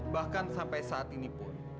bahkan sampai saat ini pun